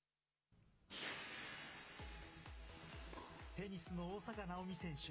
テニスの大坂なおみ選手。